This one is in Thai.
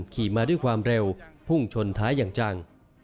ขี่มาด้วยความเร็วพุ่งชนท้ายอย่างจัง